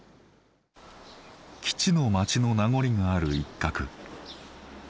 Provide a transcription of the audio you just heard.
基地の町の名残がある一角。